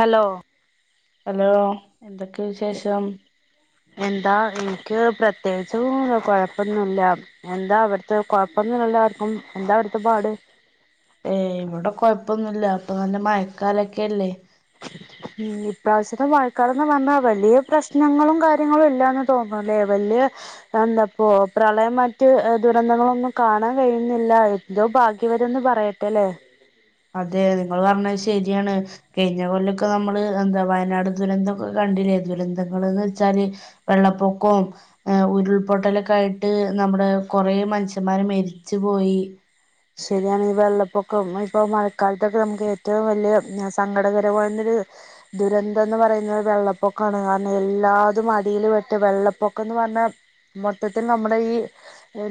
Hello hello, എന്തൊക്കെ വിശേഷം? എന്താ എനിക്ക് പ്രത്യേകിച്ചും കൊഴപ്പൊന്നില്ല. എന്താ അവിടുത്തെ കൊഴപ്പൊന്നുല്ലല്ലോ ആർക്കും, എന്താ അവിടുത്തെ പാട്? ഏയ് ഇവിടെ കൊയപ്പൊന്നുല്ല ഇപ്പ നല്ല മയക്കാലൊക്കെല്ലേ. [inaudible] ഉം ഇപ്രാവശ്യത്തെ മഴക്കാലന്ന് പറഞ്ഞാ വലിയ പ്രശ്നങ്ങളും കാര്യങ്ങളു ഇല്ലാന്ന് തോന്നുല്ലേ. വല്യേ എന്താപ്പൊ പ്രളയം മറ്റ് ദുരന്തങ്ങളൊന്നും കാണാൻ കഴിയുന്നില്ല. എന്തോ ഭാഗ്യവരന്ന് പറയട്ടലെ. അതെ നിങ്ങള് പറഞ്ഞത് ശരിയാണ്, കഴിഞ്ഞ കൊല്ലൊക്കെ നമ്മള് എന്താ വയനാട് ദുരന്തൊക്കെ കണ്ടില്ലേ. ദുരന്തങ്ങള്ന്ന് വെച്ചാല്, വെള്ളപ്പൊക്കോം, ഏഹ് ഉരുൾപൊട്ടലൊക്കെ ആയിട്ട് നമ്മുടെ കൊറേ മനുഷ്യന്മാര് മെരിച്ച് പോയി. ശരിയാണ് ഈ വെള്ളപ്പൊക്കം, ഇപ്പൊ മഴക്കാലത്തൊക്കെ നമുക്ക് ഏറ്റവും വലിയ സങ്കടകരമായൊരു ദുരന്തം എന്ന് പറയുന്നത് വെള്ളപ്പൊക്കാണ്. കാരണം എല്ലാതും അടിയിൽ വെട്ട് വെള്ളപ്പൊക്കംന്ന് പറഞ്ഞാ, മൊത്തത്തിൽ നമ്മുടെ ഈ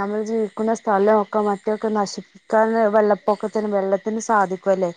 നമ്മൾ ജീവിക്കുന്ന സ്ഥലമൊക്കെ മറ്റൊക്കെ നശിപി ക്കാൻ വെള്ളപ്പൊക്കത്തിന് വെള്ളത്തിന് സാധിക്കു അല്ലേ.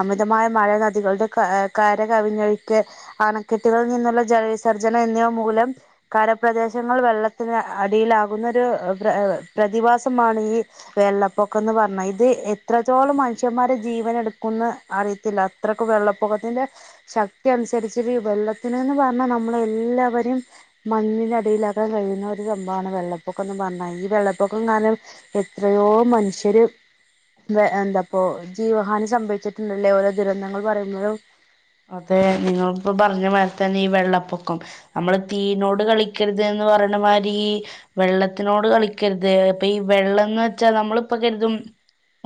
അമിതമായ മഴ നദികളുടെ ക കര കവിഞ്ഞൊഴിക്ക്, അണക്കെട്ടുകളിൽ നിന്നുള്ള ജലവിസർജ്ന എന്നിവ മൂലം കരപ്രദേശങ്ങൾ വെള്ളത്തിന് അടിയിലാകുന്നൊരു പ്ര പ്രതിഭാസമാണ് ഈ വെള്ളപ്പൊ ക്കംന്ന് പറഞ്ഞ. ഇത് എത്രത്തോളം മനുഷ്യന്മാരെ ജീവന് എടുക്കുന്ന് അറിയത്തില്ല. അത്രക്കും വെള്ളപ്പൊക്കത്തിന്റെ ശക്തി അനുസരിച്ചി ഈ വെള്ളത്തിനിന്ന് പറഞ്ഞാ നമ്മള് എല്ലാവരും, മണ്ണിനടിയിലാകാൻ കഴിയുന്ന ഒരു സംഭവമാണ് വെള്ളപ്പൊക്കം എന്ന് പറഞ്ഞാൽ. ഈ വെള്ളപ്പൊക്കം കാരണം എത്രയോ മനുഷ്യ ര് ഏഹ് എന്തപ്പോ ജീവഹാനി സംഭവിച്ചിട്ടുണ്ടല്ലേ ഓരോ ദുരന്തങ്ങൾ പറയുമ്പോഴും, അതെ നിങ്ങളിപ്പോ പറഞ്ഞ മാരി തന്നെ ഈ വെള്ളപ്പൊക്കം. നമ്മള് തീനോട് കളിക്കരുത് എന്ന് പറേണ മാരി വെള്ളത്തിനോട് കളിക്കരുത് പ്പെ ഈ വെള്ളംന്ന് വെച്ചാ നമ്മളിപ്പൊ കരുതും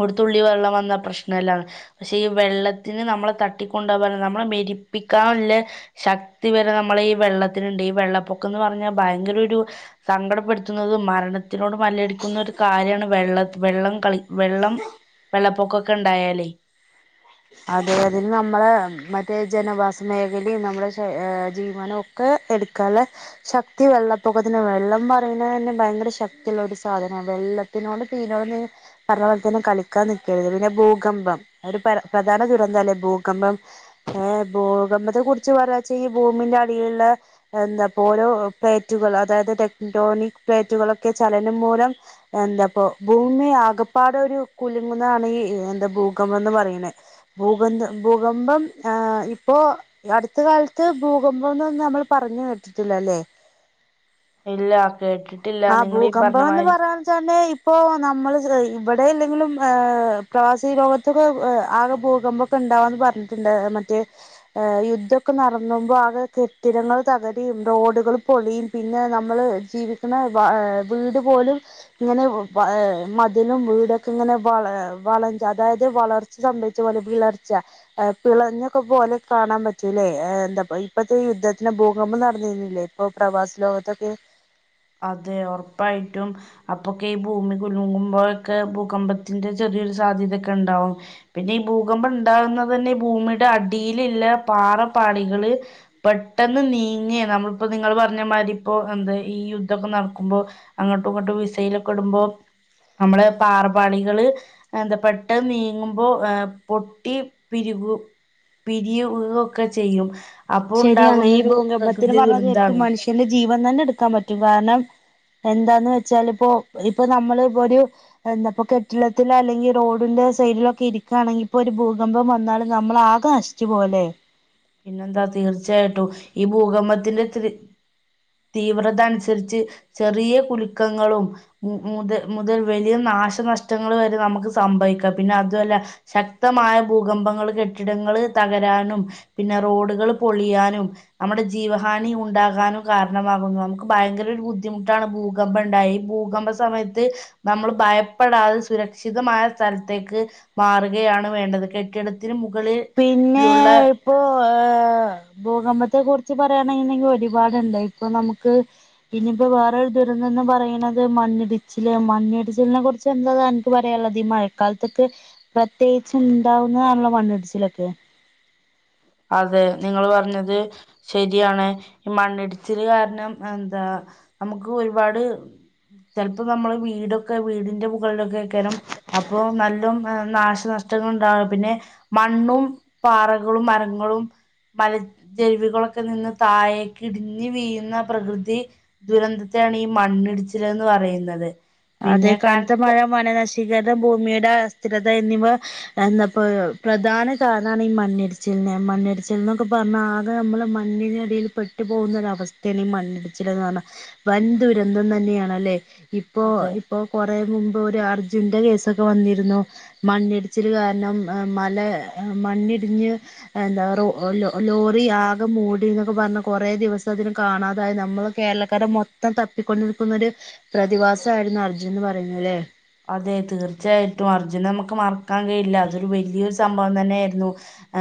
ഒരുത്തുള്ളി വെള്ളം വന്ന പ്രശ്നല്ലാന്ന് പക്ഷെ ഈ വെള്ളത്തിന് നമ്മളെ തട്ടിക്കൊണ്ടോവാന് നമ്മളെ മെരിപ്പിക്കാനുള്ളെ ശക്തി വരെ നമ്മളേ ഈ വെള്ളത്തിനുണ്ട് ഈ വെള്ളപ്പൊക്കംന്ന് പറഞ്ഞാൽ ഭയങ്കര ഒരു സങ്കടപ്പെടുത്തുന്നതും മരണത്തിനോട് മല്ലടിക്കുന്ന ഒരു കാര്യാണ് വെള്ള വെള്ളം കളി വെള്ളം വെള്ളപ്പൊക്കൊക്കെ ഇണ്ടായാല് അതെ അതിന് നമ്മളെ മറ്റേ ജനവാസ മേഖലീം നമ്മുടെ ശ ഏ ജീവനോം ഇത് എടുക്കാള്ളെ ശക്തി വെള്ളപ്പൊക്കത്തിന് വെള്ളം പറയുന്നതന്നെ ഭയങ്കര ശക്തിയുള്ള ഒരു സാധനാണ് വെള്ള ത്തിനോട് തീനോട് പറഞ്ഞ പോലതന്നെ കളിക്കാൻ നിക്കരുത് പിന്നെ ഭൂകമ്പം അവര് പര പ്രധാന ദുരന്തല്ലേ ഭൂകമ്പം ഏ ഭൂകമ്പത്തെ കുറിച്ച് പറയാച്ചെങ്കി ഈ ഭൂമിന്റെ അടിയിലുള്ളെ എന്താ പ്പോരോ പ്ലേറ്റുകൾ അതായത് ടെക്ടോണിക് പ്ലേറ്റുകളൊക്കെ ചലനം മൂലം എന്താപ്പൊ ഭൂമി ആകപ്പാട ഒരു കുലുങ്ങുന്നതാണ് ഈ എന്താ ഭൂകമ്പം എന്ന് പറയണേ ഭൂകന്തം ഭൂകമ്പം ഏ ഇപ്പോ അടുത്ത കാലത്ത് ഭൂകമ്പന്നൊന്നും നമ്മള് പറഞ്ഞ് കേട്ടിട്ടില്ലല്ലേ ഇല്ല കേട്ട് ആ ഭൂകമ്പം എന്ന് പറയാൻച്ചാല് ഇപ്പൊ നമ്മള് ശ്ര ഇവിടെ അല്ലെങ്കിലും്ഏ പ്രവാസി ലോകത്തൊക്കെ ആകെ ഭൂകമ്പം ഇപ്പോ ഉണ്ടാവാന്ന് പറഞ്ഞിട്ടുണ്ട് മറ്റേ ഏ യുദ്ധൊക്കെ നടന്നുമ്പോൾ ആണ് കെട്ടിടങ്ങൾ തകരുയും റോഡുകൾ പൊളിയും പിന്നെ നമ്മള് ജീവിക്കുന്ന വ വീട് പോലും ഇങ്ങനെ ഏ മതിലും വീടൊക്കെ ഇങ്ങനെ വ വളഞ് അതായത് വളർ ഇത് സംഭവിച്ച പോലെ വിളർച്ച ഏ പിളഞ്ഞൊക്കെ പോലെ കാണാൻ പറ്റൂലേ ഏ എന്താ ഇപ്പത്തെ യുദ്ധത്തിന് ഭൂകമ്പം നടന്നിരുന്നില്ലേ ഇപ്പം പ്രവാസലോകത്തൊക്കെ അതെ ഒറപ്പായിട്ടും അപ്പൊക്കെ ഈ ഭൂമി കുലുങ്ങുമ്പോഴൊക്കെ ഭൂകമ്പത്തിന്റെ ചെറിയൊരു സാധ്യതക്കെ ഇണ്ടാവും പിന്നെ ഈ ഭൂകമ്പം ഉണ്ടാകുന്നത് തന്നെ ഈ ഭൂമിയുടെ അടിയിലുള്ള പാറപ്പാളികള് പെട്ടെന്ന് നീങ്ങേ നമ്മളിപ്പോ നിങ്ങള് പറഞ്ഞമാതി ഇപ്പോ എന്താ ഈ യു ദ്ധൊക്കെ നടക്കുമ്പോ അങ്ങോട്ടും ഇങ്ങട്ടും മിസൈലൊക്കെ ഇടുമ്പോ നമ്മള പാറ പാളികള് എന്താ പെട്ടെന്ന് നീങ്ങുമ്പോ ഏ പൊട്ടി പിരികു, പിരിയുയൊക്കെ ചെയ്യും അപ്പൊ ശരിയാണ് ഉണ്ടാകുന്നൊരു പ്രകൃതി ദുരന്താണ് എന്റെ ജീവൻ തന്നെ എടുക്കാൻ പറ്റും കാരണം എന്താന്ന് വെച്ചാല് ഇപ്പോ ഇപ്പൊ നമ്മള് ഇപ്പൊരു എന്താപ്പ കെട്ടിടത്തില അല്ലെങ്കിൽ എന്താപ്പൊ കെട്ടിടത്തിൽ അല്ലെങ്കി റോഡിന്റെ സൈഡിലൊക്കെ ഇരിക്കാണെങ്കിപ്പൊരു ഭൂകമ്പം വന്നാലും നമ്മൾ ആക നശിച് ച്ച് പോലേ പിന്നെന്താ തീർച്ചയായിട്ടും ഈ ഭൂകമ്പത്തിന്റെ ത്രി തീവ്രത അനുസരിച്ച് ചെറിയ കുലുക്കങ്ങളും മുതൽ മുതൽ വലിയ നാശനഷ്ടങ്ങൾ വരെ നമുക്ക് സംഭവിക്കാം പിന്നെ അതുഅല്ല ശക്തമായ ഭൂകമ്പങ്ങള് കെട്ടിടങ്ങള് തകരാനും പിന്നെ റോഡുകള് പൊളിയാനും നമ്മുടെ ജീവഹാനി ഉണ്ടാകാനും കാരണമാകുന്നു നമുക്ക് ഭയങ്കര ഒരു ബുദ്ധിമുട്ടാണ് ഭൂ കമ്പണ്ടായി ഭൂകമ്പ സമയത്ത് നമ്മള് ഭയപ്പെടാതെ സുരക്ഷിതമായ സ്ഥലത്തേക്ക് മാറുകയാണ് വേണ്ടത് കെട്ടിടത്തിന് മുകളിൽലുള്ള ഇപ്പൊ ഭൂകമ്പത്തെ കുറിച്ച് പറയണണ്ടെങ്കിൽ ഒരുപാടുണ്ട് ഇപ്പൊ നമുക്ക് പിന്നയിപ്പ വേറൊരു ദുരന്തോന്ന് പറയണത് മണ്ണിടിച്ചില് മണ്ണിടിച്ചിലിനെ കുറിച്ച് എന്താ പറയാനുള്ളത് ഈ മഴക്കാലത്തൊക്കെ പ്രത്യേകിച്ച് ഉണ്ടാവുന്നതാണല്ലോ മണ്ണിടിച്ചിലൊക്കെ അതെ നിങ്ങള് പറഞ്ഞത് ശരിയാണ് മണ്ണിടിച്ചില് കാരണം എന്താ നമുക്ക് ഒരുപാട് ചെലപ്പോ നമ്മള് വീടൊക്കെ വീടിന്റെ മുകളിലൊക്കെക്കേറും അപ്പൊ നല്ല നാശനഷ്ടങ്ങ ഉണ്ടാവും പിന്നെ മണ്ണും പാറകളും മര ങ്ങളും മല ച്ചരുവികളൊക്കെ നിന്ന് താഴേക്ക് ഇടിഞ്ഞ് വീഴുന്ന പ്രകൃതി ദുരന്തത്തെയാണ് ഈ മണ്ണിടിച്ചിലെ ന്ന് പറയുന്നത് അതെ കനത്ത മഴ വനനശീകരണം ഭൂമിയുടെ അസ്ഥിരത എന്നിവ എന്താപ്പ പ്രധാന കാരണമാണ് ഈ മണ്ണിടിച്ചിലിനെ മണ്ണിടിച്ചിൽ ന്നൊക്കെ പറഞ്ഞ ആകെ നമ്മള് മണ്ണിന ടിയിൽ പെട്ടു പോകുന്ന ഒരവസ്ഥയാണ് ഈ മണ്ണിടിച്ചിലെന്ന്‌ പറയുന്ന വൻ ദുരന്തം തന്നെയാണല്ലേ ഇപ്പോ അതെ ഇപ്പൊ കൊറേ മുമ്പ് ഒരു അർജുന്റെ കേസൊക്കെ വന്നിരുന്നു മണ്ണിടിച്ചിലു കാരണം മല മണ്ണിടിഞ്ഞ് എന്താറ ല ലോറി ആകെ മൂടി എന്നൊക്കെ പറഞ്ഞ് കൊറേ ദിവസം അതിന കാണാതായി നമ്മള് കേരളക്കാര മൊത്തം തപ്പിക്കൊണ്ടിക്കുന്നൊരു പ്രതിഭാസായിരുന്നു അർജുൻന്ന് പറയുന്നതല്ലേ അതെ തീർച്ചയായിട്ടും അർജുനെ നമുക്ക് മറക്കാൻ കഴിയില്ല അതൊരു വലിയൊരു സംഭവം തന്നെ ആയിരുന്നു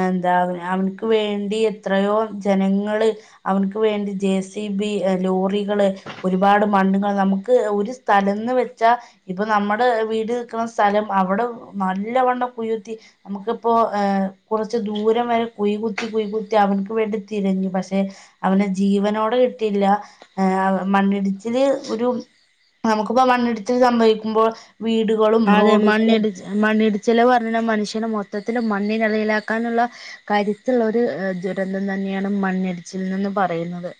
എന്താ അവ അവനിക്ക് വേണ്ടി എത്രയോ ജനങ്ങള് അവനിക്ക് വേണ്ടി ജെ സി ബി ലോറികള് ഒരുപാട് മണ്ണുകൾ നമുക്ക് ഒരു സ്ഥലന്ന് വെച്ചാ ഇപ്പ നമ്മുടെ വീട് നിൽക്കുന്ന സ്ഥലം അവിടെ നല്ലവണ്ണം കുഴിക്കുത്തി നമുക്കിപ്പോ കൊറച്ച് ദൂരം വരെ കുഴി കുത്തി കുഴി കുത്തി അവനി ക്ക് വേണ്ടി തിരഞ്ഞു പക്ഷെ അവനെ ജീവനോടെ കിട്ടിയില്ല ആഹ് മണ്ണിടിച്ചില് ഒരു നമുക്കിപ്പോ മണ്ണിടിച്ചില് സംഭവിക്കുമ്പോൾ വീടുകളും അതെ റോഡുകളും മണ്ണിടി മണ്ണിടിച്ചില് പറഞ്ഞാൽ മനുഷ്യന് മൊത്തത്തിൽ മണ്ണിനടിയിലാക്കാനുള്ള കരുത്തുള്ള ഒരു ദുരന്തം തന്നെയാണ് മണ്ണിടിച്ചിൽനിന്ന് പറയുന്നത്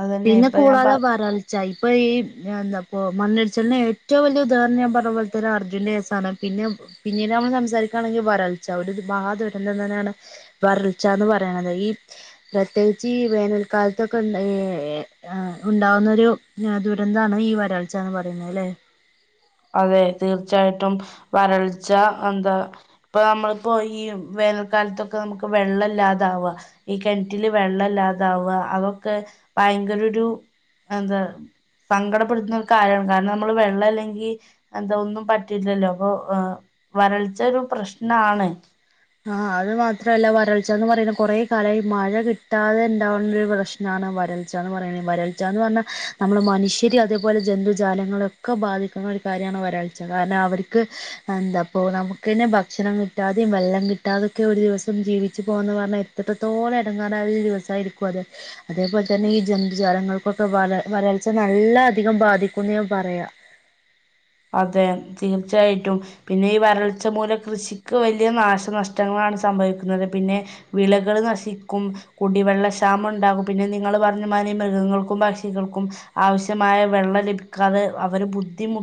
അതന്നെ പിന്നെ ഇപ്പൊ ഞാൻ പ കൂടാതെ വരൾ ചെൽപ്പോ ഈ എന്താപ്പൊ മണ്ണടിച്ചിലിന് ഏറ്റവും വലിയ ഉദാഹരണം പറഞ്ഞ പോലത്തെ ഒരു അർജുൻന്റെകേസ്സാണ് പിന്നെ പിന്നീട് നമ്മള് സംസാരിക്കുകയാണെങ്കിൽ വരൾച്ച ഒരുര് ബാ ദുരന്തം തന്നെയാണ് വരൾച്ചാന്ന് പറയണത് ഈ പ്രത്യേകിച്ച് ഈ വേനൽക്കാലത്തൊക്കെ ആഹ് ഉണ്ടാവുന്നൊരു ദുരന്താണ് ഈ വരൾച്ചാന്ന് പറയുന്നത് അല്ലെ അതെ തീർച്ചയായിട്ടും വരൾച്ച എന്താ ഇപ്പൊ നമ്മളിപ്പോ ഈ വേനൽക്കാലത്തൊക്കെ നമുക്ക് വെള്ളം ഇല്ലാതാവുക ഈ കെണറ്റില് വെള്ളല്ലാതാവുക അതൊക്കെ ഭയങ്കര ഒരു എന്താ സങ്കടപ്പെടുത്തുന്ന ഒരു കാര്യമാണ് കാരണം നമ്മള് വെള്ളം ഇല്ലെങ്കി അതാ ഒന്നും പറ്റില്ലല്ലോ അപ്പൊ വരൾച്ച ഒരു പ്രശ്നാണ്. ആഹ് അത് മാത്രല്ല വരൾച്ചെന്ന് പറയുന്ന കൊറേ കാലായി മഴ കിട്ടാതെണ്ടാവുന്ന ഒരു പ്രശ്നം. എന്നാണ് വരൾച്ച എന്ന് പറയണെവരൾച്ചാന്ന് പറഞ്ഞാൽ നമ്മള് മനുഷ്യര് അതേപോലെ ജന്തുജാലങ്ങള് ഒക്കെ ബാധിക്കുന്ന ഒരു കാര്യമാണ് വരൾച്ച കാരണം അവർക്ക്. എന്താപ്പൊ നമുക്കന്നെ ഭക്ഷണം കിട്ടാതെയും വെള്ളം കി ട്ടാതൊക്കെ ഒരു ദിവസം ജീവിച്ചു പോകാന്ന് പറഞ്ഞാൽ എത്രത്തോളം ഇടങ്ങേറായി ദിവസായിരിക്കും അത്. അതേപോലെ തന്നെ ഈ ജന്തുജാലങ്ങൾക്കൊക്കെ വര വരൾച്ച നല്ല അധികം ബാധിക്കൂന്ന് ഞാൻ പറയാ അതെ തീർച്ചായിട്ടും പിന്നെ ഈ വരൾച്ച മൂലം കൃഷിക്ക് വലിയ നാശനഷ്ടങ്ങളാണ് സംഭവിക്കുന്നത്. പിന്നെ വിളകൾ നശിക്കും. കുടിവെള്ളക്ഷാമം ഉണ്ടാകും പിന്നെ നിങ്ങൾ പറഞ്ഞു മനി മൃഗങ്ങൾക്കും പക്ഷികൾക്കും. ആവശ്യമായ വെള്ളം ലഭിക്കാതെ അവര് ബുദ്ധിമു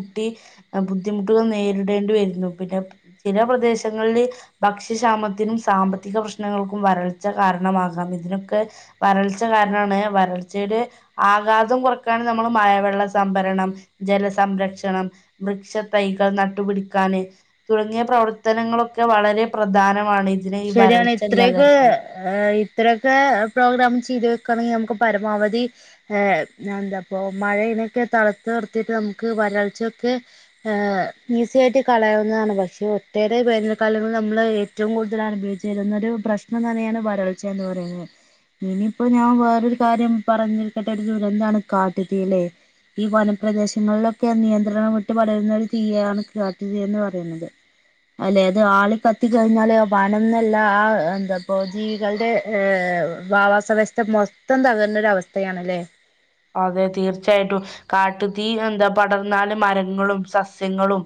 ബുദ്ധിമുട്ടുകൾ നേരിടേണ്ടി വരുന്നു പിന്നെ ചില പ്രദേശങ്ങളില്. ഭക്ഷ്യക്ഷാമത്തിനും സാമ്പത്തിക പ്രശ്നങ്ങൾക്കും വരൾച്ച കാരണമാകാം. ഇതിനൊക്കെ വരൾച്ച കാരണണ്. വരൾച്ചയുടെ ആഘാതം കുറക്കാൻ നമ്മള് മഴവെള്ള സംഭരണം ജലസംരക്ഷണം. വൃക്ഷ തൈകൾ നട്ടുപിടിക്കാന്. തുടങ്ങിയ പ്രവർത്തനങ്ങളൊക്കെ വളരെ പ്രധാനമാണ് ഇതിനെ ഈ ശരിയാണ് ഇത്രയൊക്കെ വരൾച്ചല്ലാതിരിക ഇത്രയൊക്കെ പ്രോഗ്രാം ചെയ്ത് വെക്കുകയാണെങ്കിൽ നമുക്ക് പരമാവധി. ഏഹ് എന്താപ്പ മഴനൊക്കെ തളാർ ളത്ത് നിർത്തിയിട്ട് നമുക്ക് വരൾച്ചയൊക്കെ ഇസി ആയിട്ട് കളാവുന്നതാണ് പക്ഷെ ഒട്ടേറെ വേനൽ കാലങ്ങളിൽ നമ്മള് ഏറ്റവും കൂടുത നുഭയവിച്ചരുന്നൊരു പ്രശ്നം എന്ന് പറയാൻ വരൾച്ചന്ന് പറയുന്നത്. ഇനിയിപ്പോ ഞാൻ വേറൊരു കാര്യം പറഞ്ഞിരിക്കട്ടെ ഒരു ദൂരാന്താണ് കാട്ടുത്തില്ലെ ഈ വനപ്രദേശങ്ങളിലൊക്കെ നിയന്ത്രണം വിട്ട് വളരുന്ന ഒരു തീയാണ് കാട്ടു തീ എന്ന് പറയുന്നത്. അല്ലെ അത് ആളി കത്തി കഴിഞ്ഞാല്. വണം എന്നല്ല ആ എന്താ ജീവികളുടെ വവാസവ്യവസ്ഥ മോതം തകർന്നരവസ്ഥയാണല്ലേ അതെ തീർച്ചയായിട്ടും കാട്ടു തീ എന്താ പടർന്നാല് മരങ്ങളും സസ്യങ്ങളും.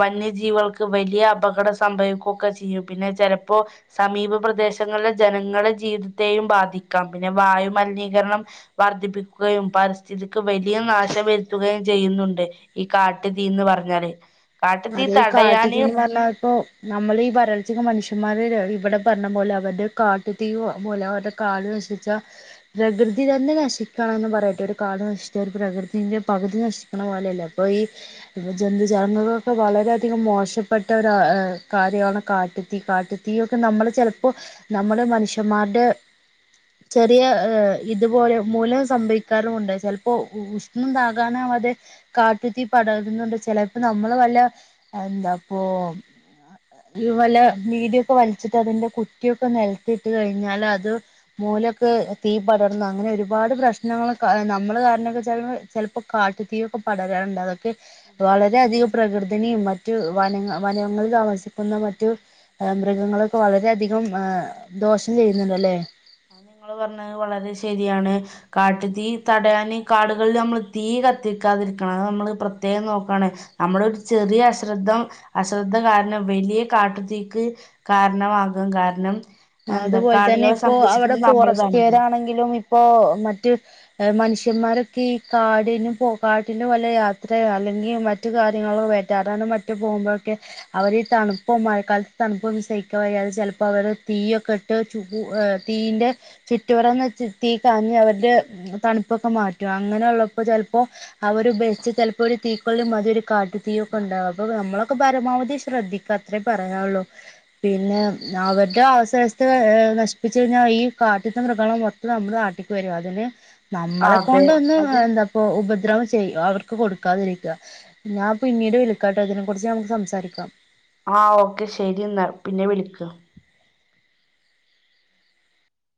വന്യജീവികൾക്ക് വലിയ അപകടം സംഭവിക്കുകൊക്കെ ചെയ്യും പിന്നെ ചിലപ്പോ? സമീപ പ്രദേശങ്ങളിലെ ജനങ്ങളുടെ ജീവിതത്തെയും ബാധിക്കാം പിന്നെ വായു മലിനീകരണം. വർധിപ്പിക്കുകയും പരിസ്ഥിതിക്ക് വലിയ നാശം വരുത്തുകയും ചെയ്യുന്നുണ്ട്. ഈ കാട്ടു തീന്ന് പറഞ്ഞാല്. കാട്ടുതീ അതെ ഈ തടയാന് കാട്ടുജീനി പറഞ്ഞാപ്പോ നമ്മൾ ഈ വരൾച്ച മനുഷ്യന്മാര് ഇവിടെ പറഞ്ഞ പോലെ അവരുടെ കാട്ടു തീ പോലെ അവരുടെ കാട് വശിച്ച പ്രകൃതി തന്നെ നശിക്കണംന്ന് പറയട്ടെ ഒരു കാട് നശിച്ച ഒരു പ്രകൃതിന്റെ പകുതി നശി ണ പോലെയല്ലേ അപ്പൊ ഈ ഇ ജന്തു ചാല ഇപ്പോൾ വളരെയധികം മോശപ്പെട്ട ഒരു കാര്യമാണ് കാട്ടുത്തീ കാട്ടുത്തീ ഒക്കെ നമ്മൾ ചിലപ്പോ നമ്മൾ മനുഷ്യന്മാരുടെ ചെറിയ ഇതുപോലെ മൂലം സംഭവിക്കാറുമുണ്ട്. ചിലപ്പോ ണ്ടാകാനാവാതെ കാട്ടു തീ പടാരുന്നുണ്ട് ചിലപ്പോ നമ്മൾ വല്ല എന്താപ്പൊ ഇ പല വീഢക്കെ വലിച്ചിട്ട് അതിന്റെ കുറ്റിയൊക്കെ നിലത്തിട്ട് കഴിഞ്ഞാല് അത്. മൂലൊക്കെ തീ പടർന്ന് അങ്ങനെ ഒരുപാട് പ്രശ്നങ്ങൾ നമ്മ കാരണൊക്കെ ച ചെ ഇപ്പൊ കാട്ടുത്തീക്കെ പടരാനുണ്ട് അതൊക്കെ ശരിയാണ്. വളരെയധികം. പ്രകൃതിനിയും മറ്റു വനങ്ങ വനങ്ങളിൽ താമസിക്കുന്ന മറ്റു മൃഗങ്ങളൊക്കെ വളര അധികം ഹ ദോഷം ചെയ്യുന്നുണ്ടല്ലേ? അ നിങ്ങള് പറഞ്ഞത് വളരെ ശരിയാണ്. കാട്ട് തീ തടയാന് കാടുകളിൽ നമ്മള് തീ കത്തിക്കാതിരിക്കണം അത് നമ്മള് പ്രത്യേകം നോക്കണെ നമ്മളൊ ഒരു ചെറിയ അശ്രദ്ധ്യം അശ്രദ്ധ കാരണം വലിയ കാട്ടുതീക്ക്. കാരണമാകും കാരണം എന്താ അതുപോലെ തന്നെ കാടുകളെ ഇപ്പോ അവിടെ സംരക്ഷിക്കുന്നത് ഫോറസ്റ്റ്കർ നമ്മളതാണല്ലോ ആണെങ്കിലും ഇപ്പോ മറ്റ് മനുഷ്യന്മാരൊക്കെ ഈ കാടിനും പോ കാട്ടിനും വല്ല യാത്ര അല്ലെങ്കിൽ മ മറ്റു കാര്യങ്ങളൊ വറ്റാ അതാണ് മറ്റു പോകുമ്പഴൊക്കെ അവരീ തണുപ്പും മഴക്കാലത്ത് തണുപ്പും സഹിക്കവയ്യാതെ ചെലപ്പോ അവര് തീയൊക്കിട്ട് ചൂ തീയിൻ്റെ ചുറ്റുരോന്ന് തീ കാഞ്ഞ് അവരുടെ തണുപ്പൊക്കെ മാറ്റും അങ്ങനെയുള്ളപ്പോ ചെലപ്പോ അവരു ബെച്ച് ചെലപ്പോരു തീക്കൊള്ളി മതി ഒരു കാട്ടു തീയൊക്കെ ഉണ്ടാവും അപ്പൊ നമ്മളൊക്കെ പരമാവധി ശ്രദ്ധിക്കും എനിക്കത്രേ പറയാനൊള്ളൂ പിന്നെ അവര് ടെ അവസസ്ഥ എ നശിപ്പിച്ചുകഴിഞ്ഞാ ഈ കാട്ടിത്തെ മൃഗങ്ങള് മൊത്തം നമ്മുടെ നാട്ടിക്കുവരും അതിന് നമ്മളെ അതെ കൊണ്ടൊന്ന് അത് എന്താപ്പൊ ഉപദ്രവം ചെയ്യ് അവർക്ക് കൊടുക്കാതിരിക്കുക ഞാൻ പിന്നീട് വിളിക്കാട്ടോ ഇതിനെ കുറിച്ച് നമുക്ക് സംസാരിക്കാം ആ ഓക്കെ ശരിയെന്നാ പിന്നെ വിളിക്ക്